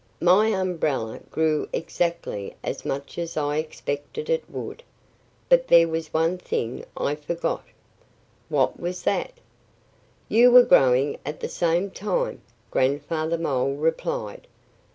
"My umbrella grew exactly as much as I expected it would. But there was one thing I forgot." "What was that?" "You were growing at the same time," Grandfather Mole replied.